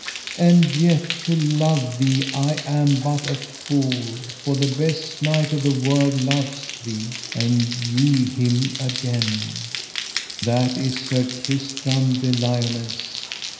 And yet to love thee I am but a fool, for the best knight of the world loveth thee, and ye him again, that is Sir Tristram de Liones.